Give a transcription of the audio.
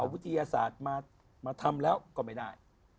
วิทยาศาสตร์มาทำแล้วก็ไม่ได้